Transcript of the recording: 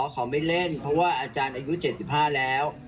เขาไม่เล่นเพราะว่าอาจารย์อายุ๗๕แล้ว